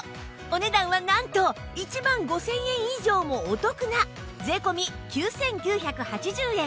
お値段はなんと１万５０００円以上もお得な税込９９８０円